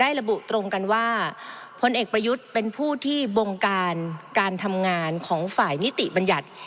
ระบุตรงกันว่าพลเอกประยุทธ์เป็นผู้ที่บงการการทำงานของฝ่ายนิติบัญญัติ